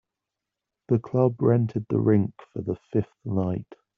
The club rented the rink for the fifth night.